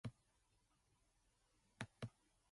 The clothes are idiosyncratic in many ways.